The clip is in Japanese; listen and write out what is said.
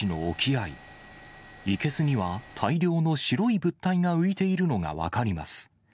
生けすには大量の白い物体が浮いているのが分かります。